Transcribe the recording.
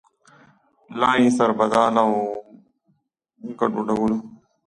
لا یې سربداله او ګډوډولو.